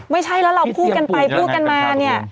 ไม่ใช่แล้วเราพูดกันไปพูดกันมาเนี่ย